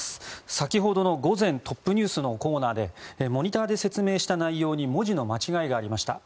先ほどの午前トップＮＥＷＳのコーナーでモニターで説明した内容に文字の間違いがありました。